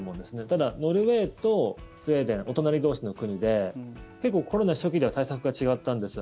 ただノルウェーとスウェーデンお隣同士の国で結構、コロナ初期では対策が違ったんです。